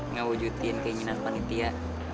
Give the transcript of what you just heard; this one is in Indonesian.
ngewujudin keinginan panitia